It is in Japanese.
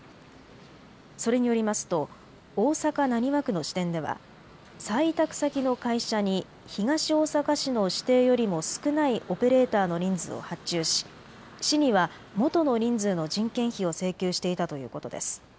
それによりますと大阪浪速区の支店では再委託先の会社に東大阪市の指定よりも少ないオペレーターの人数を発注し市にはもとの人数の人件費を請求していたということです。